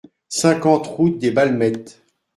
cinquante route des Balmettes